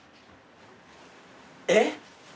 えっ？